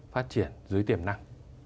phát triển dưới tiềm năng